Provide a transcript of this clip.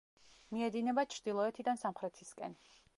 მიედინება ჩრდილოეთიდან სამხრეთისკენ.